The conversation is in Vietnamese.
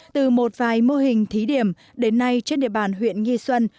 từ một vài mô hình thí điểm đến nay trên địa bàn huyện nghi xuân